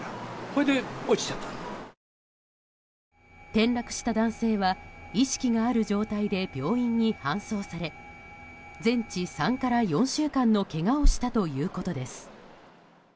転落した男性は意識がある状態で病院に搬送され全治３から４週間のけがをしたということです。